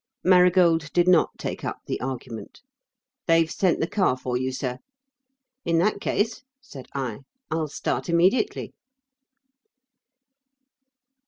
Marigold did not take up the argument. "They've sent the car for you, sir." "In that case," said I, "I'll start immediately."